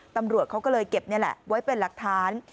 ตำรวจเขาก็เลยเก็บนี่แหละไว้เป็นหลักฐาน